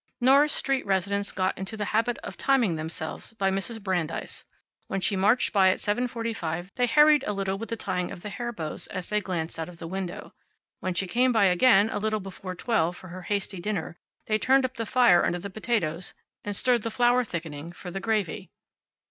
Norris Street residents got into the habit of timing themselves by Mrs. Brandeis. When she marched by at seven forty five they hurried a little with the tying of the hair bow, as they glanced out of the window. When she came by again, a little before twelve, for her hasty dinner, they turned up the fire under the potatoes and stirred the flour thickening for the gravy.